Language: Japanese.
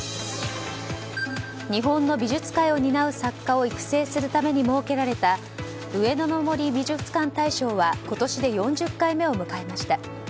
日本の美術界を担う作家を育成するために設けられた上野の森美術館大賞は今年で４０回目を迎えました。